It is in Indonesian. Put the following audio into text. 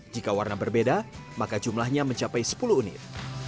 jika warna berbeda maka jumlahnya mencapai sepuluh unit